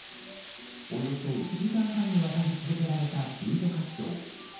およそ１時間半にわたり続けられた救助活動。